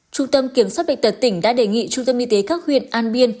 trung tâm kiểm soát bệnh tật tỉnh đã đề nghị trung tâm y tế các huyện an biên